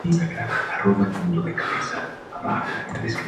Lo urbano se convirtió en una presencia constante pero no preponderante.